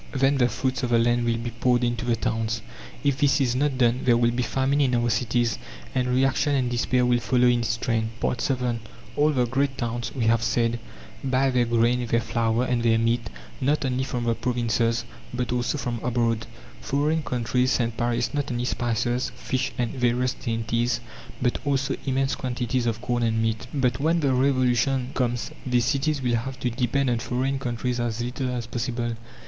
Then the fruits of the land will be poured into the towns. If this is not done there will be famine in our cities, and reaction and despair will follow in its train. VII All the great towns, we have said, buy their grain, their flour, and their meat, not only from the provinces, but also from abroad. Foreign countries send Paris not only spices, fish, and various dainties, but also immense quantities of corn and meat. But when the Revolution comes these cities will have to depend on foreign countries as little as possible.